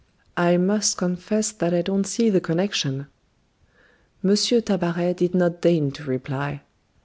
"I must confess that I don't see the connection." M. Tabaret did not deign to reply.